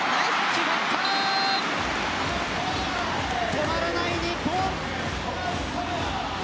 止まらない日本。